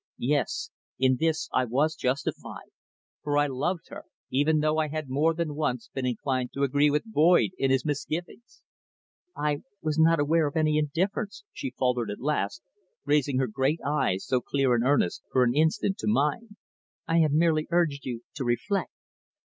Yes, in this I was justified, for I loved her, even though I had more than once been inclined to agree with Boyd in his misgivings. "I was not aware of any indifference," she faltered at last, raising her great eyes, so clear and earnest, for an instant to mine. "I had merely urged you to reflect."